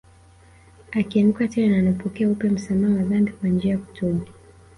Akianguka tena anapokea upya msamaha wa dhambi kwa njia ya kutubu